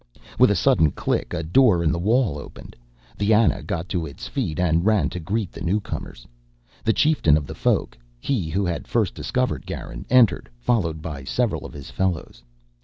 With a sudden click a door in the wall opened. The Ana got to its feet and ran to greet the newcomers. The chieftain of the Folk, he who had first discovered Garin, entered, followed by several of his fellows.